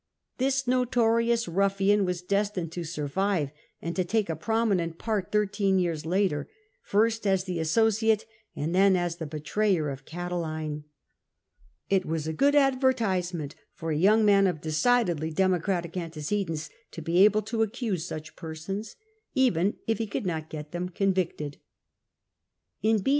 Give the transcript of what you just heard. This notorious ruffian was destined to survive, and to take a prominent part thirteen years lat/cr, first as the associate and then as the betrayer of Catiline. It was a good advortiBament for a young man of decidedly Democratic antecedents to be able to accuse such persons, even if he could not get them convicted. In B.